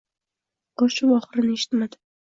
Boshi va oxirini eshitmadi.